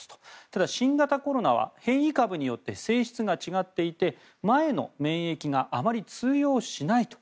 ただ新型コロナは変異株によって性質が違っていて前の免疫があまり通用しないと。